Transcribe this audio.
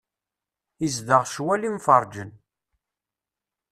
Izdeɣ ccwal imferrǧen.